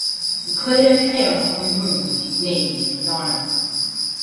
The crater Kao on the Moon is named in his honor.